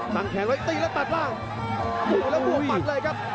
งแขนไว้ตีแล้วตัดล่างบวกแล้วบวกหมัดเลยครับ